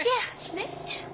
ねっ。